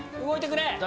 動いてくれ！